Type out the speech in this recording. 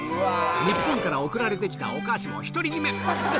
日本から送られて来たお菓子も独り占め！